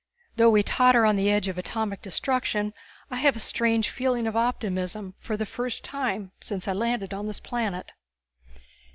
Though we totter on the edge of atomic destruction I have a strange feeling of optimism for the first time since I landed on this planet."